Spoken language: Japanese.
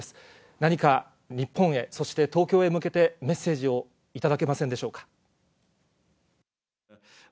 何か日本へ、そして東京へ向けて、メッセージを頂けませんでしょうか。